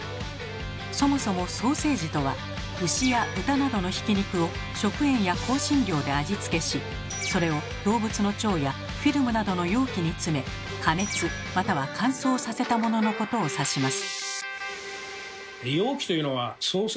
そもそもソーセージとは牛や豚などのひき肉を食塩や香辛料で味付けしそれを動物の腸やフィルムなどの容器に詰め加熱または乾燥させたもののことを指します。